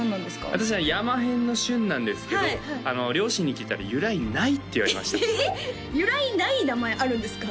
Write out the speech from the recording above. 私は山偏の峻なんですけど両親に聞いたら由来ないって言われましたえっ由来ない名前あるんですか？